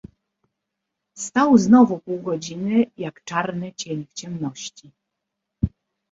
"Stał znowu pół godziny, jak czarny cień w ciemności."